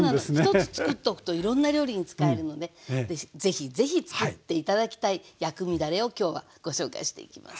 １つつくっとくといろんな料理に使えるので是非是非つくって頂きたい薬味だれを今日はご紹介していきます。